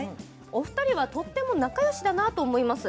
お二人はとても仲よしだなと思います。